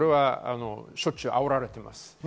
しょっちゅう煽られています。